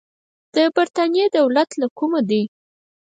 د برتانیې دولت له کومه دی.